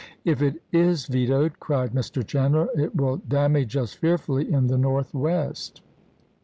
" If it is vetoed," cried Mr. Chandler, " it will damage us fearfully in the Northwest.